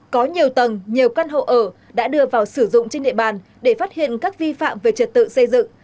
có nhiều tầng nhiều căn hộ ở đã đưa vào sử dụng trên địa bàn để phát hiện các vi phạm về trật tự xây dựng